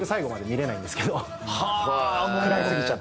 食らいすぎちゃって。